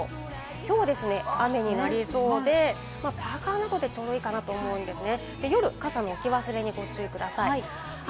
今日は雨になりそうで、パーカなどで、ちょうどいいかなと思うんですね。